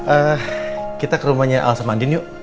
eee kita ke rumahnya al sama andien yuk